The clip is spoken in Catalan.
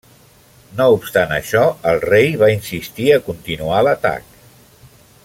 No obstant això, el rei va insistir a continuar l'atac.